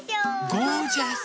ゴージャス。